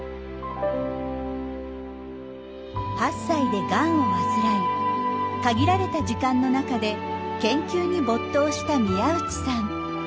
８歳でがんを患い限られた時間の中で研究に没頭した宮内さん。